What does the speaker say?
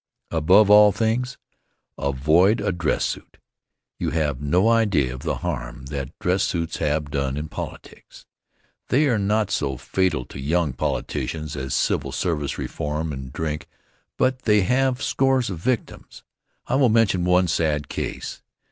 Above all things, avoid a dress suit. You have no idea of the harm that dress suits have done in politics. They are not so fatal to young politicians as civil service reform and drink, but they have scores of victims. I will mention one sad case.